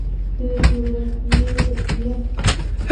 د جغرافیې فرضیه